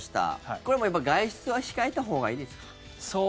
これはもう外出は控えたほうがいいですか？